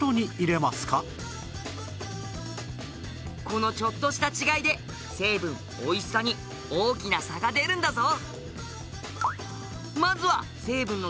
このちょっとした違いで成分おいしさに大きな差が出るんだぞ！